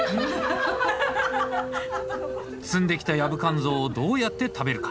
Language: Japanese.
摘んできたヤブカンゾウをどうやって食べるか！？